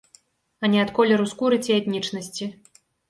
А не ад колеру скуры ці этнічнасці.